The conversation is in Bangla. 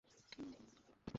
আমি এক হাঁটতেই পছন্দ করি।